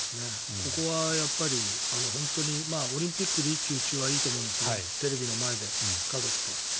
ここは本当にオリンピックで一喜一憂はいいと思うんですがテレビの前で家族と。